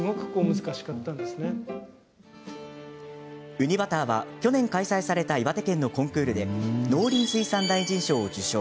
ウニバターは去年、開催された岩手県のコンクールで農林水産大臣賞を受賞。